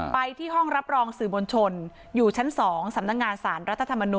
ไปที่ห้องรับรองสื่อมวลชนอยู่ชั้น๒สำนักงานสารรัฐธรรมนูล